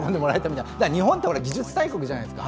日本って技術大国じゃないですか。